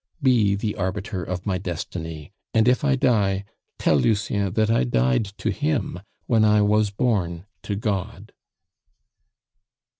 Be the arbiter of my destiny; and if I die, tell Lucien that I died to him when I was born to God."